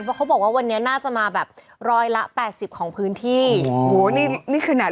เพราะเขาบอกว่าวันนี้น่าจะมาแบบร้อยละแปดสิบของพื้นที่โอ้โหนี่นี่คือหนัก